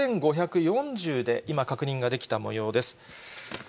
８５４０で、今確認ができたもようです。